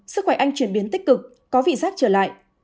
sức khỏe anh chuyển biến tích cực có vị giác trở lại